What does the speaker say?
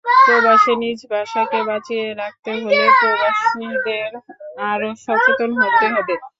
প্রবাসে নিজ ভাষাকে বাঁচিয়ে রাখতে হলে প্রবাসীদের আরও সচেতন হতে হবে।